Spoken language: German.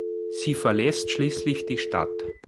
Sie verlässt schließlich die Stadt.